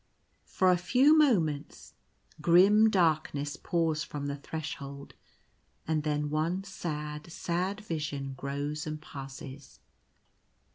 For a few moments grim darkness pours from the Threshold; and then one sad, sad vision grows and passes.